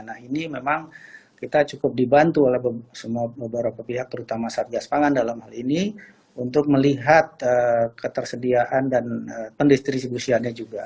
nah ini memang kita cukup dibantu oleh beberapa pihak terutama satgas pangan dalam hal ini untuk melihat ketersediaan dan pendistribusiannya juga